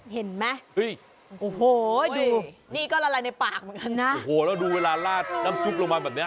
เห็นไหมโอ้โหดูนี่ก็ละลายในปากเหมือนกันนะโอ้โหแล้วดูเวลาลาดน้ำซุปลงมาแบบเนี้ย